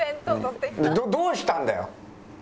どうしたんだよ！